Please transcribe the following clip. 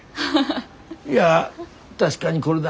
いや確かにこれだ。